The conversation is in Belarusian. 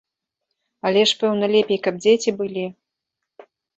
Але ж, пэўна, лепей, каб дзеці былі?